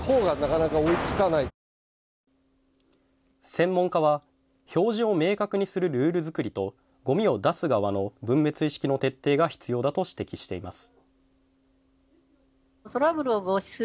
専門家は表示を明確にするルール作りとごみを出す側の分別意識の徹底が必要だと指摘しています。